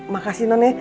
makasih non ya